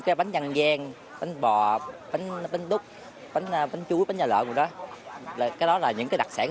cái bánh dân gian bánh bò bánh đúc bánh chuối bánh dai lợn cái đó là những cái đặc sản